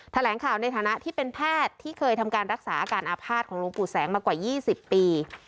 แถลงข่าวในฐานะที่เป็นแพทย์ที่เคยทำการรักษาอาการอาภาษณ์ของหลวงปู่แสงมากว่า๒๐ปี